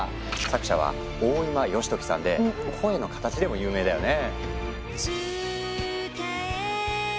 作者は大今良時さんで「聲の形」でも有名だよね。